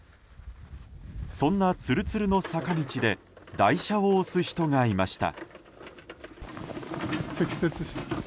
そんなツルツルの坂道で台車を押す人がいました。